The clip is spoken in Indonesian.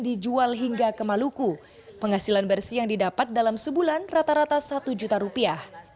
dijual hingga ke maluku penghasilan bersih yang didapat dalam sebulan rata rata satu juta rupiah